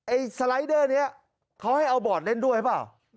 สไลเดอร์นี้เขาให้เอาบอร์ดเล่นด้วยหรือเปล่า